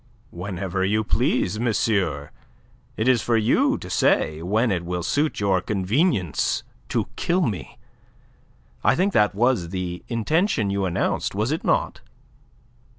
"Whenever you please, monsieur. It is for you to say when it will suit your convenience to kill me. I think that was the intention you announced, was it not?"